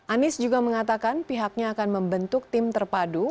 anies juga mengatakan pihaknya akan membentuk tim terpadu